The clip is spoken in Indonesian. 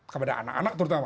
kepada anak anak terutama